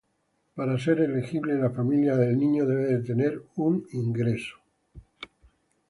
Para ser elegible, la familia del niño debe tener un ingreso: